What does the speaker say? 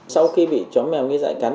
sau khi bị chó mèo nghi dạy cắn